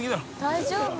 大丈夫？